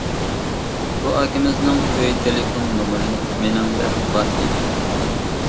بۇ ئاكىمىزنىڭ ئۆي تېلېفون نومۇرى مېنىڭدە بار ئىدى.